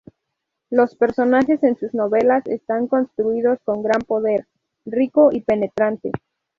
Los personajes en sus novelas están construidos con gran poder, rico y penetrante.